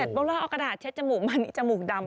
เมื่อเมื่อเราเอากระดาษเช็ดจมูกมาจมูกดำ